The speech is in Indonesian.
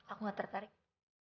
aku gak tertarik